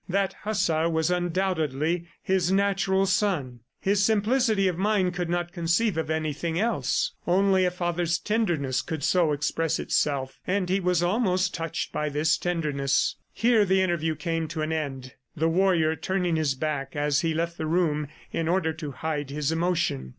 That Hussar was undoubtedly his natural son. His simplicity of mind could not conceive of anything else. Only a father's tenderness could so express itself ... and he was almost touched by this tenderness. Here the interview came to an end, the warrior turning his back as he left the room in order to hide his emotion.